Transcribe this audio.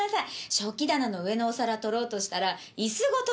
食器棚の上のお皿取ろうとしたら椅子ごと倒れちゃって。